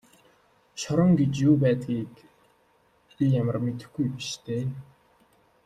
Шорон гэж юу байдгийг би ямар мэдэхгүй биш дээ.